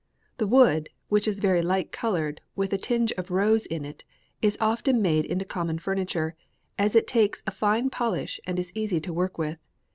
The wood, which is very light colored with a tinge of rose in it, is often made into common furniture, as it takes a fine polish and is easy to work with.